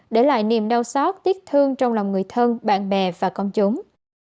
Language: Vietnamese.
để lại niềm đau xót tiết thương trong lòng người thân bạn bè và công chúng